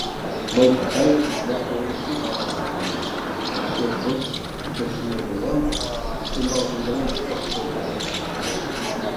Мый Патайын тошто «электричествыжым» шонем: акрет годсо трёхлинейный лампе ӱстембалжым гына пыкше волгалтара ыле.